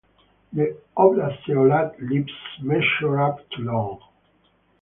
The oblanceolate leaves measure up to long.